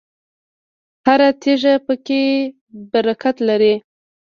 هره تیږه پکې برکت لري.